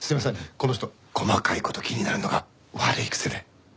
この人細かい事気になるのが悪い癖で。